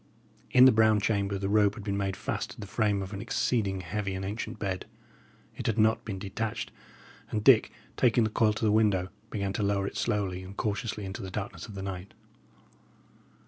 In the brown chamber the rope had been made fast to the frame of an exceeding heavy and ancient bed. It had not been detached, and Dick, taking the coil to the window, began to lower it slowly and cautiously into the darkness of the night.